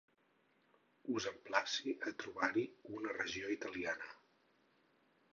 Us emplaci a trobar-hi una regió italiana.